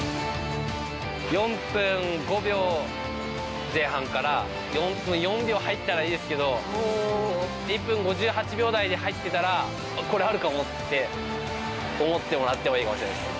４分５秒前半から４分４秒に入ったらいいですけど１分５８秒台で入っていたらおっ、これあるかも！って思ってもらっていいかもです。